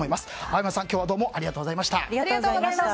青山さん、今日はどうもありがとうございました。